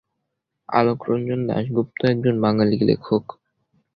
অলোকরঞ্জন দাশগুপ্ত একজন বাঙালি লেখক।